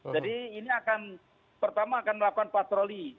jadi ini akan pertama akan melakukan patroli